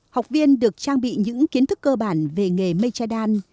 học viên được trang bị những kiến thức cơ bản về nghề mechidan